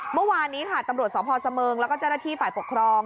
เมื่อวานนี้ค่ะตำรวจสพเสมิงแล้วก็เจ้าหน้าที่ฝ่ายปกครอง